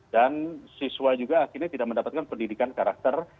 siswa juga akhirnya tidak mendapatkan pendidikan karakter